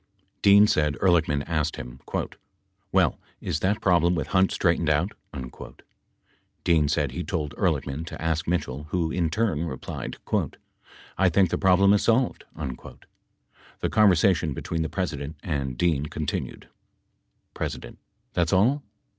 Dean said Ehrlichman asked him : "Well, is that problem with Hunt straightened out?" Dean said he told Ehrlichman to ask Mitchell who, in turn, replied, "I think the problem is solved." The conversation between the President and Dean continued : P. That's all?